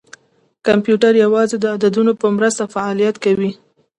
کمپیوټر یوازې د عددونو په مرسته فعالیت کوي.